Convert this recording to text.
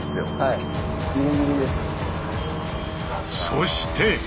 そして。